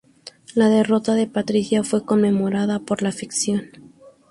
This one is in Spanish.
La derrota de Patrícia fue conmemorada por la afición.